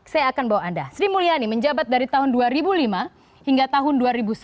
saya akan bawa anda sri mulyani menjabat dari tahun dua ribu lima hingga tahun dua ribu sepuluh